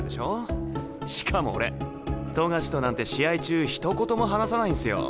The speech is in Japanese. しかも俺冨樫となんて試合中ひと言も話さないんすよ。